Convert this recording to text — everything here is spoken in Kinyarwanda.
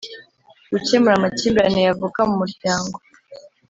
gukemura amakimbirane yavuka mu Muryango